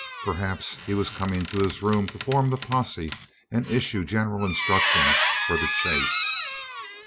Perhaps he was coming to his room to form the posse and issue general instructions for the chase.